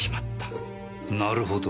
なるほど。